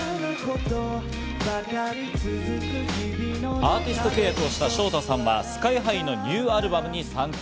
アーティスト契約をしたＳＨＯＴＡさんはＳＫＹ−ＨＩのニューアルバムに参加。